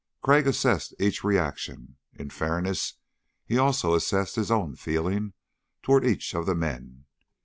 Crag assessed each reaction. In fairness, he also assessed his own feeling toward each of the men.